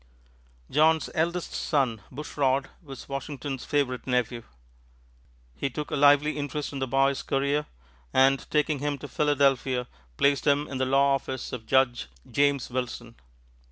John's eldest son, Bushrod, was Washington's favorite nephew. He took a lively interest in the boy's career, and taking him to Philadelphia placed him in the law office of Judge James Wilson.